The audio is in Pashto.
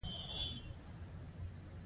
راپور باید په صادقانه شکل وړاندې شي.